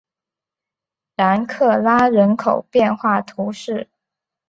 然克拉人口变化图示